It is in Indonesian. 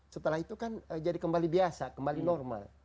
setelah itu kan jadi kembali biasa kembali normal